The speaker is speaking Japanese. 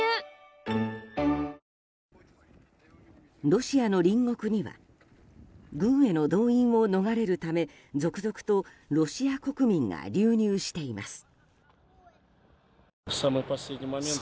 ロシアの隣国には軍への動員を逃れるため続々とロシア国民が流入しています。